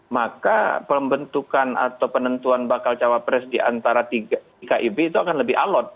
maka pembentukan atau penentuan bakal jawab pres di antara tiga kib itu akan lebih alot